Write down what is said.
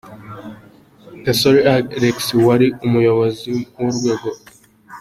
Gasore Alexis wari umuyobozi w’urwego P.